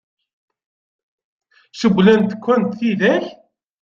Cewwlent-kent tidak?